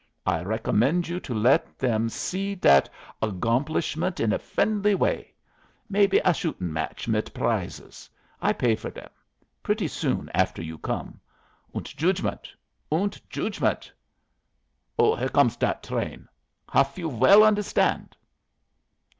I recommend you to let them see that aggomplishment in a friendly way. Maybe a shooting match mit prizes I pay for them pretty soon after you come. Und joodgement und joodgement. Here comes that train. Haf you well understand?"